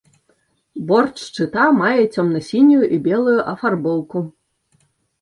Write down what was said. Борт шчыта мае цёмна-сінюю і белую афарбоўку.